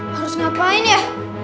harus ngapain ya